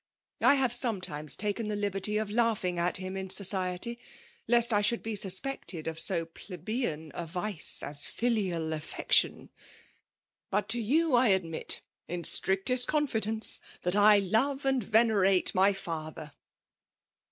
I have sometimes taken the liberty of laughing at him in society, lest I shduld be suspected of sd plebeiati a vice as filial affieetion ; but to you I admits in slaricfest confidence, that I loVe and y^ne^tp my faAer."